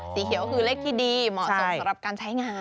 สีเขียวคือเลขที่ดีเหมาะสมสำหรับการใช้งาน